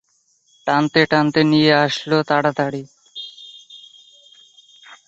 তিনি পূর্বে স্কুলে শিক্ষকতা করতেন।